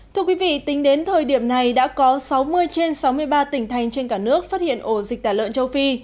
thưa quý vị tính đến thời điểm này đã có sáu mươi trên sáu mươi ba tỉnh thành trên cả nước phát hiện ổ dịch tả lợn châu phi